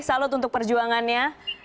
salut untuk perjuangannya